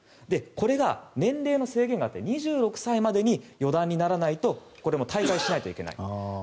これが年齢の制限があって２６歳までに四段にならないと退会しないといけない。